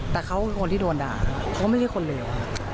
แต่เขาก็เป็นคนที่โดนด่าเพราะว่าไม่ใช่คนเลว